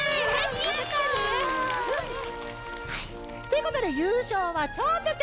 よかったね。ということでゆうしょうはちょうちょちゃん。